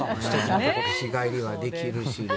日帰りができるし。